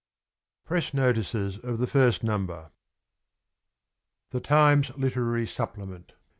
PRESS NOTICES of the FIRST NUMBER. THE TIMES LITERARY SUPPLEMENT.